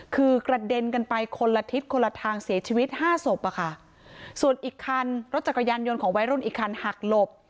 คือกระเด็นกันไปคนละทิศคนละทางเสียชีวิตห้าศพอะค่ะส่วนอีกคันรถจักรยานยนต์ของวัยรุ่นอีกคันหักหลบ